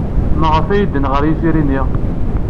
Maɣef ay ddan ɣer yifri-nni?